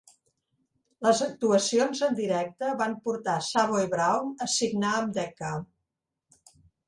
Les actuacions en directe van portar Savoy Brown a signar amb Decca.